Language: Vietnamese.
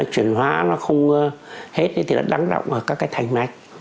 chuyển hóa nó không hết thì đăng động ở các thành mạch